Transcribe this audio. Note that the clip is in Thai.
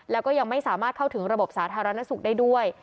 แล้วก็ยังไม่สามารถเข้าถึงระบบสาธารณสุขได้ด้วย